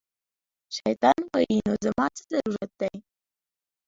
شیطان وایي، نو زما څه ضرورت دی